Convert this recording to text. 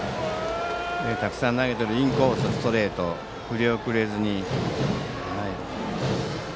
たくさん投げているインコースのストレートに振り遅れずに打ちました。